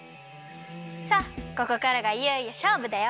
さあここからがいよいよしょうぶだよ。